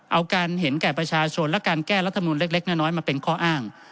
เอาการเห็นแก่ประชาชนและการแก้รัฐมนุนเล็กน้อยมาเป็นข้ออ้าง